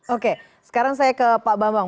oke sekarang saya ke pak bambang